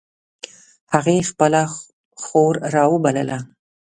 هغې خپله خور را و بلله